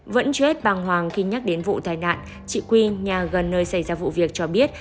vẫn chết bàng hoàng khi nhắc đến vụ tai nạn chị quy nhà gần nơi xảy ra vụ việc cho biết